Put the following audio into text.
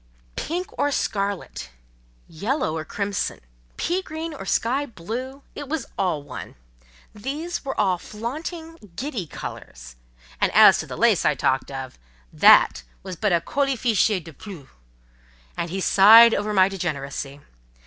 "Pink or scarlet, yellow or crimson, pea green or sky blue, it was all one: these were all flaunting, giddy colours; and as to the lace I talked of, that was but a 'colifichet de plus.'" And he sighed over my degeneracy.